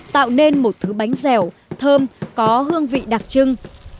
tạo nên một thứ bánh dẻo thơm có hương vị đặc trưng